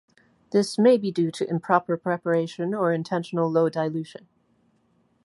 This may be due to improper preparation or intentional low dilution.